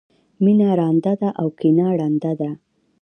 مینه رانده ده او کینه ړنده ده.